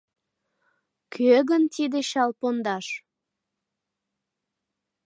Кӧ гын тиде чал пондаш?